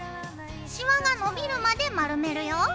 シワがのびるまで丸めるよ。